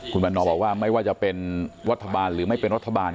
คุณวันนอบอกว่าไม่ว่าจะเป็นรัฐบาลหรือไม่เป็นรัฐบาล